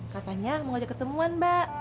katanya mau ajak ketemuan mbak